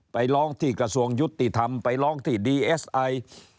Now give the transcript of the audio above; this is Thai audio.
ไปร้องที่กระทรวงยุติธรรมไปร้องที่ดีเอสไอ